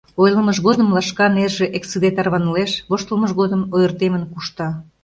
Ойлымыж годым лашка нерже эксыде тарванылеш, воштылмыж годым ойыртемын кушта.